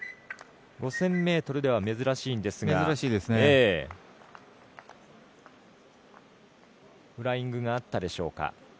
５０００ｍでは珍しいんですがフライングがあったでしょうか。